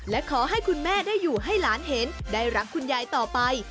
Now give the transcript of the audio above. และขอให้คุณแม่ได้อยู่ให้หลานเห็นได้รักคุณยายต่อไป